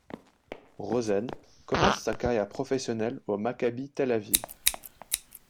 Rosen commence sa carrière professionnelle au Maccabi Tel-Aviv.